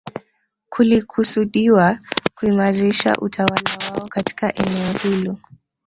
Kulikusudiwa kuimarisha utawala wao katika eneo hilo